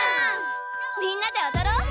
みんなでおどろう！